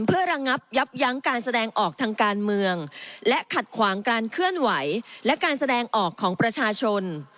เพื่อระงับยับยั้งการแสดงออกทางการเมืองและขัดขวางการเคลื่อนไหวและการแสดงออกของประชาชน